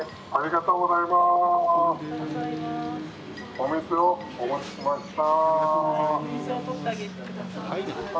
お水をお持ちしました」。